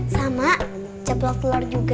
sama ceplok telur juga